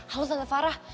halo tante farah